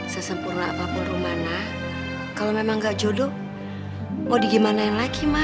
sesempurna apapun rumana kalau memang gak jodoh mau digimanain lagi makna